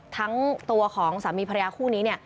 ทั้งตัวของสามีภรรยาคู่นี้เนี่ย